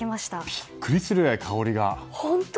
びっくりするぐらい香りが。